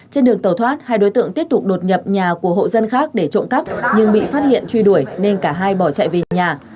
trên đường tàu thoát hai đối tượng tiếp tục đột nhập nhà của hộ dân khác để trộm cắp nhưng bị phát hiện truy đuổi nên cả hai bỏ chạy về nhà